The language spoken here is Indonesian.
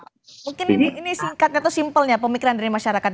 mungkin ini singkatnya atau simpelnya pemikiran dari masyarakat